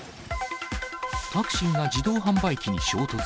タクシーが自動販売機に衝突。